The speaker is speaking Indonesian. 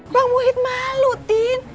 bang muhid malu tin